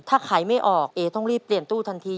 ถ้าขายไม่ออกเอต้องรีบเปลี่ยนตู้ทันที